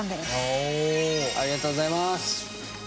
ありがとうございます。